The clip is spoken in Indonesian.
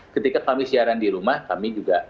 ketika kami siaran di rumah kami juga